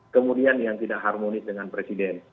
kemudian yang tidak harmonis dengan presiden